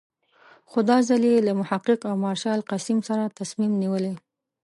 خو دا ځل یې له محقق او مارشال قسیم سره تصمیم نیولی.